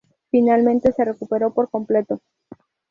Finalmente se recuperó por completo.